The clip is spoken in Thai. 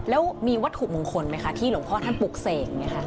แล้วมีวัดขุบมงคลไหมคะที่หลวงพ่อท่านปลุกเสกเนี่ยคะ